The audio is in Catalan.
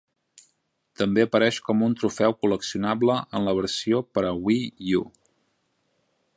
També apareix com un trofeu col·leccionable en la versió per a Wii U.